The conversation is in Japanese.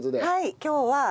はい今日は。